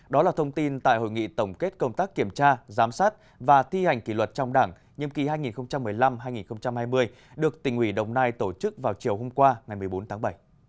đó là thông tin tại hội nghị tổng kết công tác kiểm tra giám sát và thi hành kỷ luật trong đảng nhiệm kỳ hai nghìn một mươi năm hai nghìn hai mươi được tỉnh ủy đồng nai tổ chức vào chiều hôm qua ngày một mươi bốn tháng bảy